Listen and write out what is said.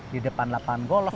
di depan lapangan golf